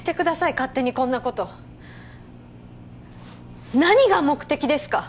勝手にこんなこと何が目的ですか？